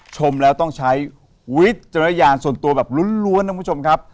ชมแล้วต้องใช้วิจารณญาณส่วนตัวแบบล้วนนะคุณผู้ชมครับ